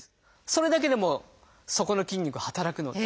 それだけでもそこの筋肉働くので。